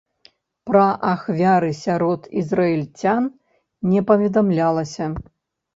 Пра ахвяры сярод ізраільцян не паведамлялася.